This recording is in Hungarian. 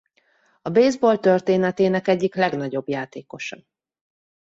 A baseball történetének egyik legnagyobb játékosa.